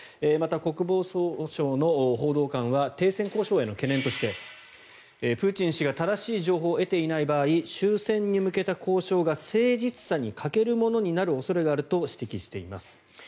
また国防総省の報道官は停戦交渉への懸念としてプーチン氏が正しい情報を得ていない場合終戦に向けた交渉が誠実さに欠けるものになる恐れがあると指摘しています。